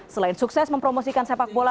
selain sukses mempromosikan sepak bola